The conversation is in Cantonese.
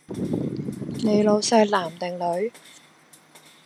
你老細男定女？